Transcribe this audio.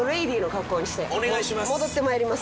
お願いします